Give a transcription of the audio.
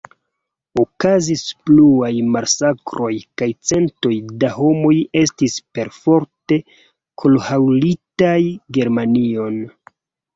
Okazis pluaj masakroj kaj centoj da homoj estis perforte forhaŭlitaj Germanion.